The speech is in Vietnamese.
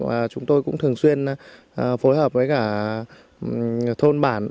và chúng tôi cũng thường xuyên phối hợp với cả thôn bản